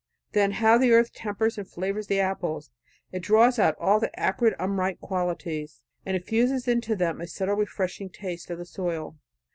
Then how the earth tempers and flavors the apples! It draws out all the acrid unripe qualities, and infuses into them a subtle refreshing taste of the soil.